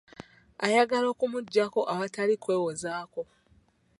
Ayagala okumugyako awatali kwewozaako.